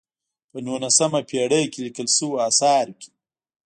په نولسمه پېړۍ کې لیکل شویو آثارو کې.